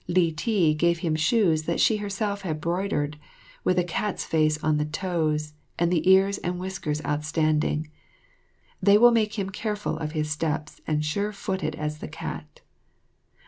Li ti gave him shoes that she herself had broidered, with a cat's face on the toes and the ears and whiskers outstanding. They will make him careful or his steps and sure footed as the cat.